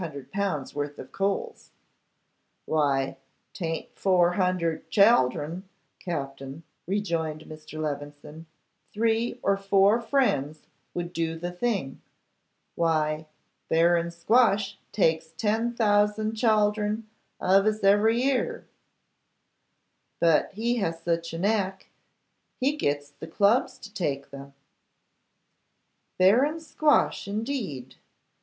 worth of coals.' 'Why, 'tayn't four hundred chaldron, Captin,' rejoined Mr. Levison. 'Three or four friends would do the thing. Why, Baron Squash takes ten thousand chaldron of us every year; but he has such a knack, he gits the Clubs to take them.' 'Baron Squash, indeed!